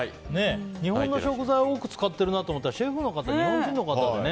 日本の食材を多く使ってるなと思ったらシェフの方、日本人の方でね。